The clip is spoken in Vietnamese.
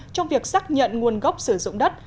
trong việc xác nhận nguồn gốc sử dụng đất